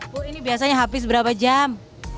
bu ini biasanya habis berapa jam